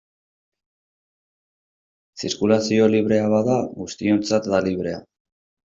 Zirkulazioa librea bada, guztiontzat da librea.